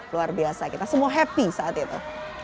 luar biasa kita semua happy saat itu